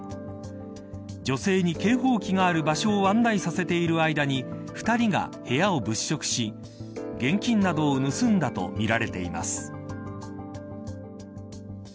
女性に警報器がある場所を案内させている間に２人が部屋を物色し現金などを盗んだとみられています。